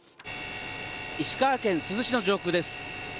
石川県珠洲市の上空です。